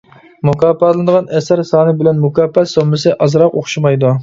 مۇكاپاتلىنىدىغان ئەسەر سانى بىلەن مۇكاپات سوممىسى ئازراق ئوخشىمايدۇ.